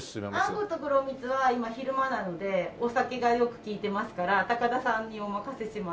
あんことくろみつは今昼間なのでお酒がよく利いてますから高田さんにお任せします。